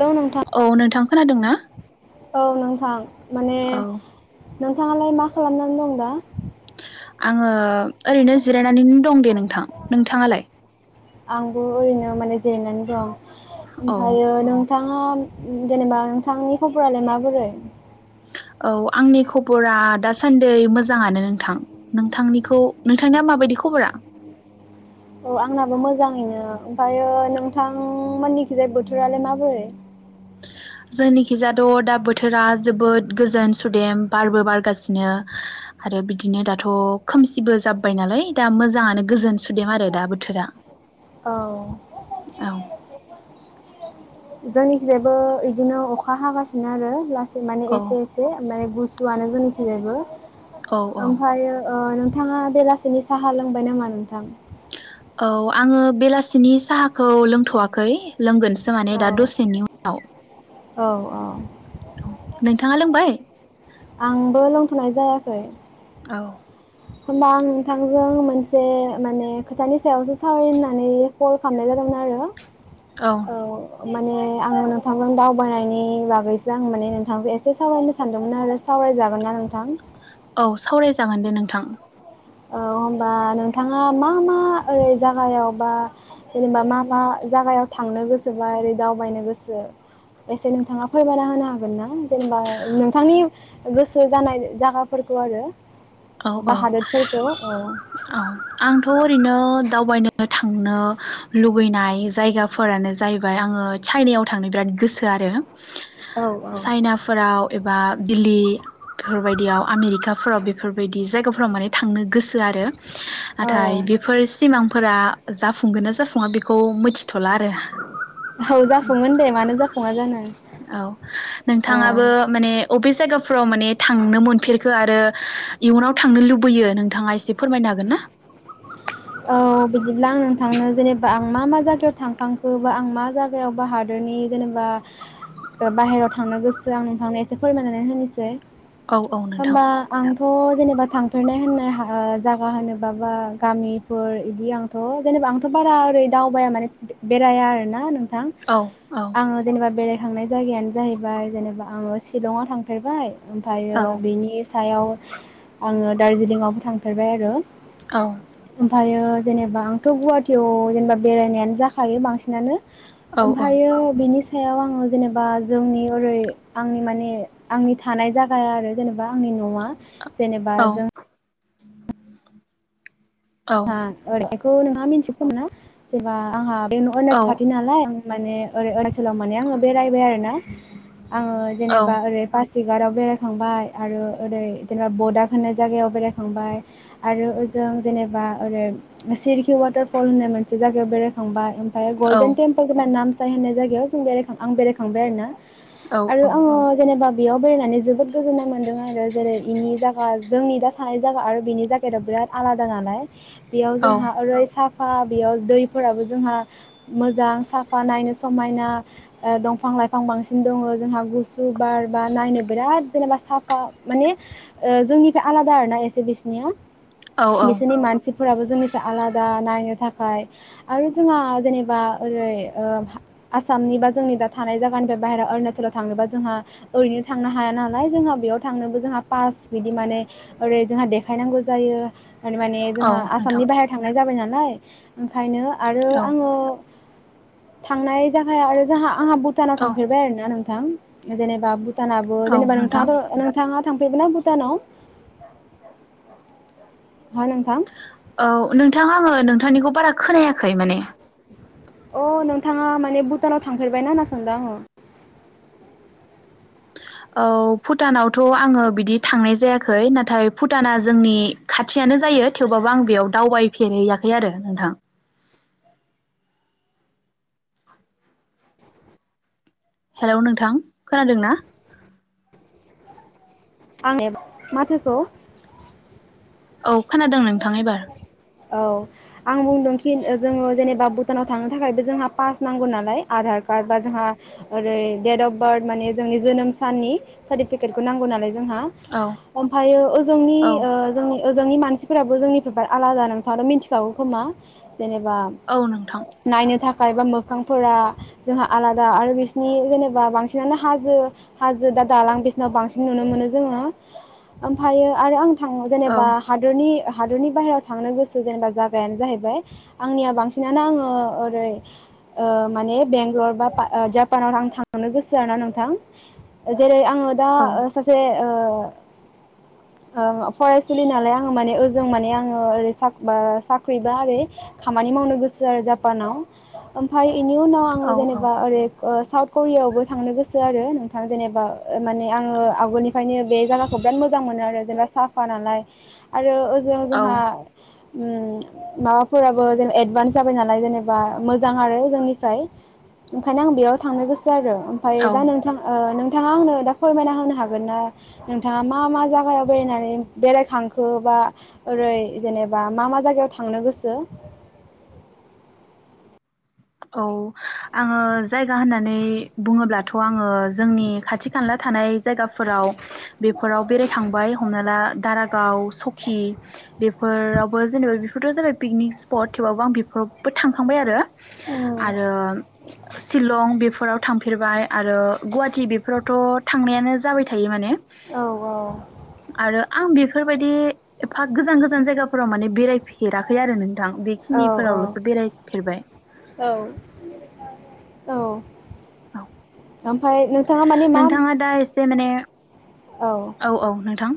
Hello नोंथां औ नोंथां खोनादोंनाा औ नोंथां माने नोंथांङालाय मा खालामनानै दं दा आङो ओरैनो जिरायनानैनो दं दे नोंथां नोंथांङालाय आंबो ओरैनो माने जिरायनानै दं औ ओमफ्रायो नोंथां थांङा जेनेबा नोंथांनि खबरालाय माबोरै औ आंनि खबरा दासान्दि मोजाङानो नोंथां नोंथांनिखौ नोंथांनिया माबायदि खबरा औ आंनाबो मोजांङैनो ओमफ्रायो नोंथांमोननिखिजाय बोथोरालाय माबोरै जोंनिखिजाथ' दा बोथोरा जोबोद गोजोन-सुदेम बारबो बारगासिनो आरो बिदिनो दाथ' खोमसिबो जाबबाय नालाय दा मोजाङानो गोजोन सुदेम आरो दा बोथोरा औ औ जोंनिखि जायबो इदिनो अखा हागासिनो आरो लास माने औ एसे-एसे माने गुसुवानो जोंनिथिंजायबो औ औ ओमफायो ओ नों नोंथाङा बेलासिनि साहा लोंबाय नामा नोंथां औ आङो बेलासिनि साहाखौ लोंथ'वाखै लोंगोनस जोंहा नै दा दसेनि उन औ औ-औ थांङा लोंबाय? आंबो लोंथ'नाय जायाखै। औ। होमबा आं नोंथांजों मोनसे माने खोथानि सायावसो सावराय होननानै कल खालामनाय जादोंमोन आरो। औ माने आं नोंथांजों दावबायनायनि बागैसो आं माने नोंथांजों एसे सावरायनो सानदोंमोन आरो सावरायजागोन ना नोंथां? औ सावरायजागोन दे नोंथां। औ होनबा नोंथाङा मा मा ओरै जागायाव बा जेनेबा मा मा जागायाव थांनो गोसो बा ओरै दावबायनो गोसो एसे नोंथाङा फोरमायना होनो हागोन ना जेनेबा नोंथांनि गोसो जानाय जायगाफोरखौ आरो। औ बा औ। हादोरफोरखौ औ औ आंथ' ओरैनो दावबायनो थांनो लुबैनाय जायगाफोरानो जाहैबाय आङो चाइनायाव थांनो बिराद गोसो आरो औ चाइनाफोराव एबा दिल्ली बेफोरबायदियाव आमेरिकाफोराव बेफोर बेबायदि जायगाफोराव माने थांनो गोसो आरो औ नाथाय बेफोर सिमां फोरा जाफुंगोन ना जाफुङा बेखौ मिथिथ'ला आरो औ जाफुङगोन दे मानो जाफुङा जानो औ औ। जायगाफ्राव माने थांनो मोनफेरखो आरो इयुनाव थांनो लुबैयो नोंथाङा एसे फोरमायनो हागोन ना? औ बिदिब्ला आं नोंथांनो जेनेबा आं मा मा जायगायाव थांखांखो बा आं मा जायगायाव बा हादोरनि जेनेबा बाहेरायाव थांनो गोसो आं नोंथांनो एसे फोरमायनानै होनोसै औ औ नोंथां होनबा आं थ' जेनेबा थांफेरनाय होननाय जायगा होनोबा बा गामि फोर बिदि आंथ' जेनेबा आंथ' बारा ओरै दावबाया माने बेराया आरो ना नों थां औ औ आङो जेनेबा बे थांनाय जायगायानो जाहैबाय जेनेबा आङो शिलंआव थांफेरबाय औ ओमफ्रायो बेनि सायाव आङो दार्जिलिंआवबो थांफेरबाय आरो औ। ओमफ्रायो जेनेबा आंथ' गुवाहाटियाव जेनेबा बेरायनायानो जाखायो बांसिनानो औ ओमफ्रायो बेनि सायाव आङो जेनेबा जोंनि ओरै आंनि माने आंनि थानाय जागाया आरो जेनेबा आंनि न'आ जेनेबा औ जों हा [unintelligible] खम ना जेनेबा आंहा बे औ अरुनाचल खाथि नालाय माने माने आङो बेरायबाय आरो ना आङो औ जेनेबा ओरै फास सिगाराव बेरायखांबाय आरो ओरै जेनेबा बडा होननाय जायगायाव बेरायखांबाय आरो ओजों जेनेबा आरो [unintelligible] वाटारफल होननाइ जाइगायाव बेरायखांबाय ओमफ्राय गल्डेन टमपल जों नाम फाय होननाय जायगायाव जों बेरायखां आं बेरायखांबाय आरो ना। आरो आङो जेनेबा बेयाव बेरायनानै जोबोद गोजोन्नाय मोनदों आरो जेरै बेनि जायगा जोंनि दा थानाइ जायगा आरो बेनि वेडारा बिराद आलादा नालाय बेयाव जोंहा ओरै साफ साफा बेयाव दैफोराबो जोंहा मोजां साफा नायनो समायना ओ दंफां लाइफां बांसिन दङ जोंहा गुसु बार बा नायनो बिराद जेनेबा साफा माने ओ जोंनिफ्राय आलादा आरोना एसे बिसनिया औ बिसिनि मान जोंनिफ्राय आलादा नायनो थाखाय आरो जोंहा जेनेबा ओरै ओ आसामनि बा जोंनि दा थानाय जायगानिफ्राय बाहेरायाव अरुणाचलाव थांनोबा जोंहा ओरैनो थांनो हाया नालाय जोंहा बेयाव थांनोबो जोंहा पास बिदि माने ओरै जोंहा देखायनांगौ जायो माने जोंहा औ आसामनि नोंथां बाहेरायाव थांनाय जाबाय नाल नालाय ओंखायनो आरो औ आङो थांनाय जागाया आरो जोंहा आंहा भुटानाव थांफेरबाय आरो ना नों थां जेनेबा भुट भुटानाबो औ जेनेबा नोंथां नोंथाङाथ' नोंथाङा थांफेरबाय ना भुटानाव? हा नोंथां औ नोंथां आङो नोंथांनिखौ बारा खोनायाखै माने अ नोंथाङा माने भुटानाव थांफेरबायना होनना सानदों आङो। औ भुटानावथ' आङो बिदि थांनाय जायाखै नाथाय भुटाना जोंनि खाथियानो जायो थेवबाबो आं बेयाव दावबायफेरहैयाखै आरो नोंथां। हेलौ नोंथां खोनादों ना? आं माथोखौ औ खोनादों नोंथां एबार। औ आं बुंदोंखि जोङो जेनेबा भुटानाव थांनो थाखायबो जोंहा पास नांगौ नालाय आधार कार्ड बा जोंहा ओरै डेट अफ बार्थ माने जोंनि जोनोम साननि सार्टिफिकेटखौ नांगौ नालाय जोंहा औ ओमफ्रायो ओजोंनि औ ओ जोंनि ओजोंनि मानसि फोरफोराबो जोंनिफ्राय आलादा नोंथाङ' मिथिखागौ खोमा? जेनेबा औ नोंथां नायनो थाखा थाखायबा मोखांफोरा जोंहा आलादा आरो बिसिनि जेनेबा बांसिनानो हाजो हाजो दा दालां बिसिनाव बांसिन नुनो मोनो जोङो ओमफ्रायायो आरो आं थाङो औ जेनेबा हादरनि हादोरनि बाहेरायाव थांनो गोसो जेनेबा जागायानो जाहैबाय आंनिया बांसिनानो आङो ओरै ओ माने बेंगलर बा जापानाव आं थांनो गोसो आरोना नोंथां जेरै आं ङोदा औ सासे ओ-ओ फरायसुलि नालाय आं माने ओज जों माने आङो ओरै साक बा साख्रिबा ओरै खामानि मावनो गोसो आरो जापानाव ओमफाय बेनि उनाव आङो औ औ जेनेबा ओरै ओ साउथ करियायावबो थांनो गोसो आरो नोंथां जेनेबा माने आङो आवगोलनि फायनो बे जायाखौ बिराद मोजां मोनो आरो जेनबा साफा नालाय आरो ओज जों औ जोंहा उ माबाफोराबो जेन एडभान्स जाबाय नालाय जेनेबा मोजां आरो जोंनिफ्राय ओंखायनो आं बेयाव थांनो गोस ओ आरो ओमफ्राय औ दा नोंथां ओ नों नोंथाङा आंनो दा फोरमायना होनो हागोन ना नोंथाङा मा-मा जायागायाव बेरायनानै बेरायखांखो बा ओरै जेनेबा मा-मा जायगायाव थांनो गोसो? औ आङो जायगा होननानै बुङोब्लाथ' आङो जोंनि खाथि खाला थानाय जायगाफोराव बेफोराव बेरायखांबाय हमना ला दारागाव सकि बेफोरावबो जेनेबा बेफोरथ' जाबाय पिकनिक स्पट थेवबाबबो आं बेफोरावबो थांखांबाय आरो। औ आरो शिलं बेफोराव थांफेरबाय आरो गुवाहाटि बेफोरावथ' थांनायानो जाबाय थायो माने औ आरो आं बे बेफोरबायदि एफा गोजान-गोजान जायगाफोराव माने बेरायफेराखै आरो नों थां बेखिनिफोरावल'सो बेरायफेरबाय। औ-औ औ ओमफाय नों नोंथाङा दा एसे माने औ औ नोंथां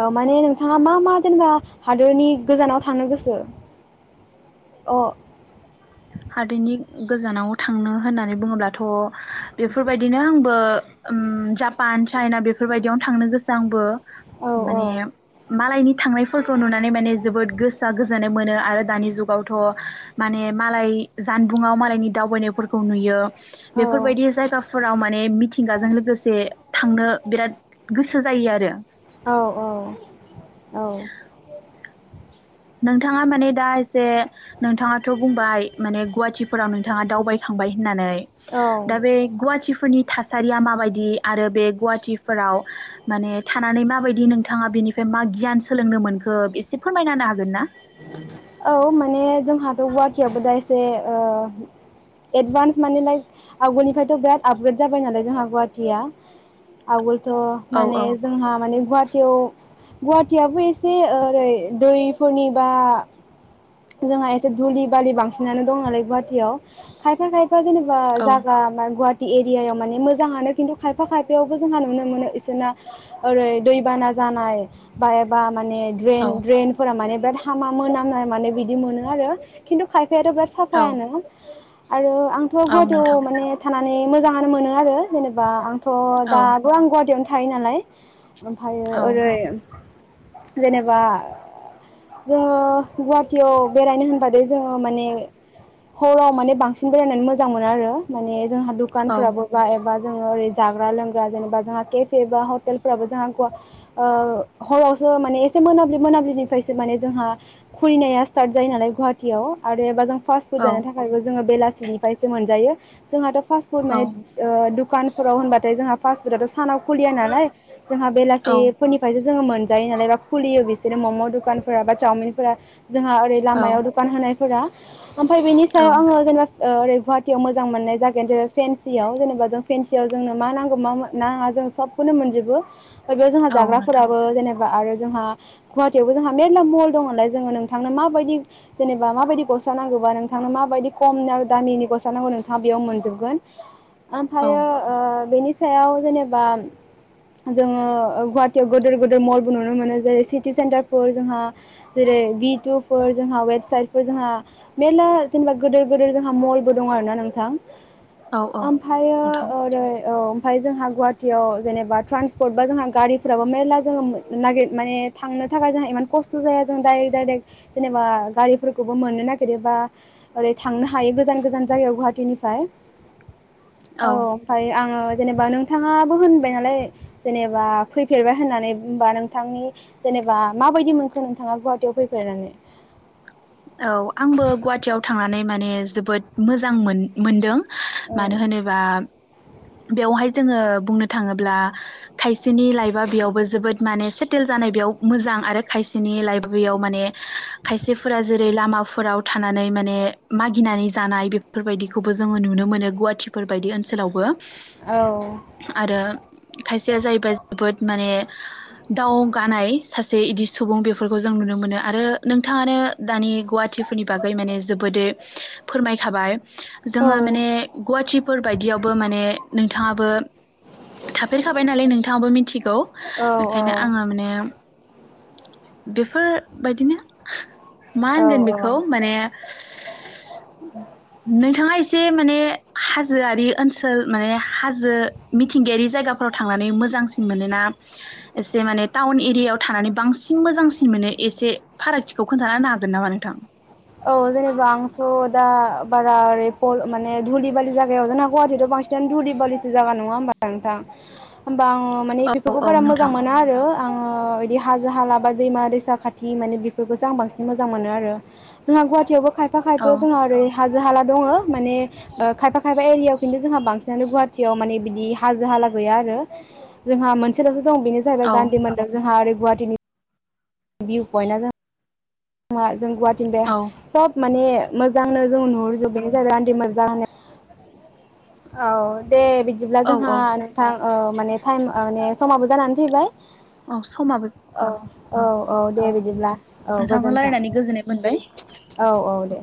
ओ माने नों थाङा मा-मा जेनेबा हादरनि गोजानाव थांनो गोसो अ हादैनि गोजानाव थांनो होननानै बुङोब्लाथ' बेफोरबायदिनो आंबो उम जापान चाइना बेफोरबायदियावनो थांनो गोसो आंबो। औ माने मालायनि थांनायफोर खौ नुनानै माने जोबोद गोसोआ गोजोननाय मोनो आरो दानि जुगावथ' माने मालाय जानबुंङाव मालायनि दावबायनायफोरखौ नुयो। औ बेफोरबायदि जायगाफोराव म माने मिथिंगाजों लोगोसे थांनो बिराद गोसो जायो आरो औ औ औ नोंथाङा माने दा जे नोंथाङाथ' बुंबाय माने गुवाहाटिफोराव नोंथाङा दावबायखांबाय होननानै औ दा बे गुवाहाटिफोरनि थासारिया माबायदि आरो बे गुवाहाटिफोराव माने थानानै माबायदि नोंथाङा बेनिफ्राय मा गियान सोलोंनो मोनखो एसे फोरमायना हागोन हागोनना औ माने जोंहाथ' गुवाहाटिआवबो दा एसे एडभान्स माने लाइक आवगोलनिफ्रायथ' बिराद आपग्रेड जाबाय नालाय जोंहा गुवाहाटिया आवगोल थ' औ माने औ जोंहा माने गुवाट [unintelligible] गुवाहाटियाबो एसे ओरै दैफोरनि बा जोंहा एसे धुलि बालि बांसिनानो दं नालाय गुवाहाटियाव खायफा खायफा जेनेबा औ जागा गुवात एरियायाव माने मोजाङानो खिन्थु खायफा खायफायावबो जोंहा नुनो मोनो इसोरना ओरै दैबाना जानाय बा एबा माने औ द्रेन ड्रेन फोरा माने बिराद हामा मोनामनाय माने बिदि मोनो आरो खिनथु बेेर एबार औ साफायानो आरो आंथ' औ नोंथां गुवाहाटियाव माने थाना माने मोजाङानो मोनो आरो जेनेबा आं थ' औ दाथ' आं गुवाटियावनो थायो नालाय ओमफ्रायो औ ओरै जेनेबा जोङो गुवा टयाव बेरायनो होनबथाय जोङो माने हराव माने बांसिन बेरायनानै मोजां मोनो आरो माने जोंहा औ दखानफोराबो बा एबा जोङो ओरै जाग्रा लोंग्रा जेनेबा जोंहा केफे बा हटेलफोराबो जों हरावसो माने एसे मोनाब्लि मोनाब्लिनिफ्रायसो माने जोंहा खुलिनाया स्टार्ट जायो नालाय गुवाहाटियाव आरो एबा जों फास्ट फुड औ जानो थाखायबो जोङो बेलासिनिफ्रायसो मोनजायो जोंहाथ' फसट फुत माने ओ दखान फोराव होनबाथाय जोंहा पासफुटा थ' सानाव खुलिया नालाय जोंहा औ बेलासिफोरनिफ्राय ज जोङो मोनजायो नालाय बा खुलियो बिसोरो मम' दखानफोरा बा चावमिनफोरा जोंहा ओरै औ लामायाव दखान होनायफोरा ओमफ्राय बेनि सायाव आङो जेनेबा ओ ओरै गुवाहाटियाव मोजां मोननाय जागायानो जै फेनसियाव जेनेबा जों फेनसियाव जोंनो मा नांगौ मा नाङा जों सबखौनो मोनजोबो बेयाव जोंहा औ नोंथां जाग्राफोराबो जेनेबा आरो जोंहा गुवाहाटी आवबो जोंहा मेरला मल दंअलै जों नोंथांनो माबायदि जेनेबा माबायदि गस्ला नांगौबा नोंथांनो माबायदि खम दामिनि गस्ला नांगौ नोंथाङा बेयाव मोनजोबगोन औ ओमफ्रायो बेनि सायाव जेनेबा जोङो गुवाहाटियाव गिदोर गिदिर मलबो नुनो मोनो जेरै सिटि सेन्टारफोर जोंहा जेरै बि उटुबफोर जोंहा वेबसाइटफोर जोंहा मेरला जेनेबा गोदो गोदो गोदेर जोंहा मबाइलबो दं आरोना नोंथां औ औ ओमफ्रायो नोंथां ओरै औ ओमफ्राय जों गवाहाटियाव जेनेबा ट्रान्सपर्ट बा जोंहा गारिफोराबो मेर्ला जोङो नागिर माने थांनो थाखाय जोंहा इमान खस्थ' जाया जों दडाइरेक्ट दडाइरेक्ट जेनेबा गारिफोरखौबो मोननो नागिरो बा ओरै थांनो हायो गोजान गोजान जायगायाव गुवाहाटीनिफ्राय औ ओमफ्रायो आङो जेनेबा नोंथाङाबो होनबाय नालाय जेनेबा फैफेरबाय होननानै होमबा नोंथांनि जेनेबा माबायदि मोनखो नोंथाङा गुवाहाटियाव फै बेराङि औ आंबो गुवाहाटियाव थांनानै माने जोबोद मोजां मोन मोनदों औ मानो होनोबा बेवहाय जोङो बुंनो थाङोब्ला खायसेनि लाइफआ बेयावबो जोबोद माने सेटेल जानाय बेयाव मोजां आरो खायसेनि लाइफ बेयाव माने खायसे फोरा जेरै लामाफोराव थानानै माने मागिनानै जानाय बेफोरबायदिखौबो जोङो नुनो मोनो गुवाहाटिफोरबायादि ओनसोलावबो आरो खायसेया जाहैबाय जोबोद माने दावगानाय सासे इदि सुबुं बेफोरखौ जों नुनो मोनो आरो नोंथाङानो। दानि गुवाहाटिफोरनि बागै माने जोबोदै फोरमायखाबाय। औ जोङो माने गुवाहाटिफोर बायदियावबो माने नोंथाङाबो थाफेरखाबाय नालाय नोंथाङाबो मिथिगौ औ बेखायनो औ आङो माने बेफोर बायदिनो मा औ होनगोन बेखौ औ माने नोंथाङा एसे एसे माने हाजोआरि ओनसोल माने हाजो मिथिंगायारि जायगाफोराव थांनानै मोजांसिन मोनोना एसे माने टाउन एरियाव थानानै बांसिन मोजांसिन मोनो। एसे फारागथिखौ खोन्थाना होनो हा गोन नामा नोंथां? औ जेनेबा आंथ' दा बारा ओरै माने धुलि बालि जायगायाव जोंना गुवाहाटियाथ' बांसिनानो धुलि बालिसो जागा नङा होनबा नोंथां? बा आङो माने औ बेफोरखौ औ बारा मोजां नोंथां मोना आरो। आङो बिदि हाजो हाला बा दैमा दैसा खाथि माने बेफोरखौसो आं बांसिन मोजां मोनो आरो। जोंना गुवाहायावबो। खायफा औ खायफायाव जोंहा ओरै हाजो हाला दङ माने ओ- खायफा खायफा एरियायाव खिन्थु जोंहा बांसिनानो गुवाहाटियाव बिदि हाजो हाला गैया आरो जोंहा मोनसेल'सो दं बेनो जाहैबाय औ गान्धी मोनदब जोंहा आरै। गुवाहाटिनि बिउ पइन्टआ ज म [unintelligible] जों गुवाहाटीनिफ्राय औ सब माने मोजांनो जों नुहुरजोबनो आदि [unintelligible] [unintelligible] औ दे बिदिब्ला औ जोंहा औ नोंथां ओ- माने टाइम माने समाबो जानानै फैबाय। औ समाबो औ औ औ दे बिदिब्ला औ नोंथांजों गोजोन्थों रायलायनानै गोजोननाय मोनबाय। औ औ दे